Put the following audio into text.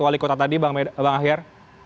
wali kota tadi bang ahyar